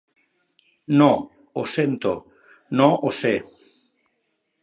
No, ho sento, no ho sé.